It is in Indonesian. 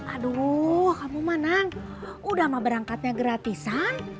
aduh kamu mana udah mah berangkatnya gratisan